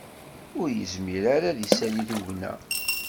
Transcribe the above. Ur yezmir ara ad d-isali tugna